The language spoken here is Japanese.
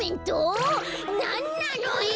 なんなのよ！